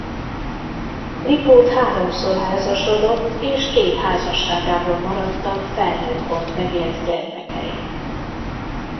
Lipót háromszor házasodott és két házasságából maradtak felnőttkort megélt gyermekei.